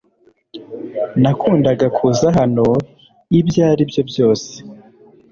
Nakundaga kuza hano ibyo ari byo byose